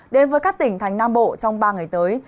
đến với các tỉnh thành nam bộ trong ba ngày tới